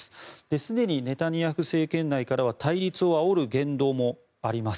すでにネタニヤフ政権内からは対立をあおる言動もあります。